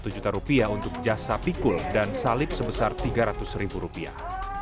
satu juta rupiah untuk jasa pikul dan salib sebesar tiga ratus ribu rupiah